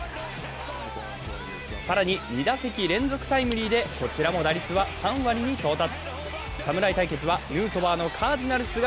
更に、２打席連続タイムリーで、こちらも打率は３割に到達。